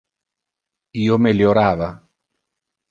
Io meliorava.